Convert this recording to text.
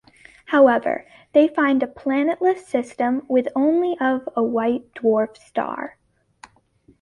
However, they find a planetless system with only of a white-dwarf star.